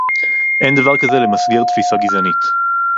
אין דבר כזה למסגר תפיסה גזענית